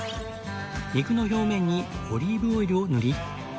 肉の表面にオリーブオイルを塗り